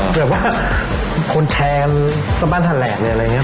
แบบว่าคนแชร์สมบัติธรรมแหลกเลยอะไรอย่างนี้